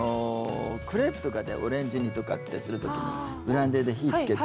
クレープとかでオレンジ煮とかってする時にブランデーで火つけて。